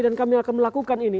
dan kami akan melakukan ini